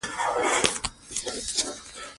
ولایتونه د افغان ماشومانو د لوبو موضوع ده.